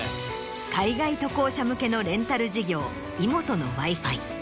海外渡航者向けのレンタル事業イモトのＷｉＦｉ。